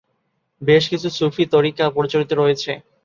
বেশ কিছু সুফি তরিকা প্রচলিত রয়েছে।